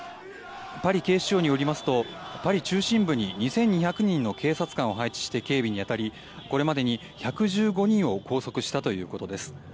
パリ警視庁によりますとパリ中心部に２２００人の警察官を配備して警備に当たりこれまでに１１５人を拘束したということです。